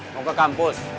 mau ke kampus